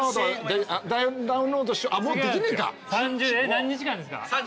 何日間ですか？